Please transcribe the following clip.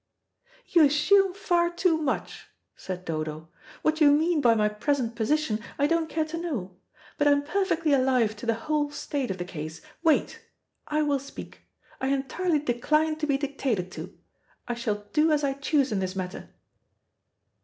"You assume far too much," said Dodo. "What you mean by my present position I don't care to know. But I am perfectly alive to the whole state of the case. Wait. I will speak. I entirely decline to be dictated to. I shall do as I choose in this matter."